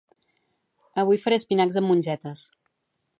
Avui faré espinacs amb mongetes